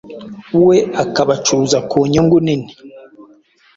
we akabacuruza ku nyungu nini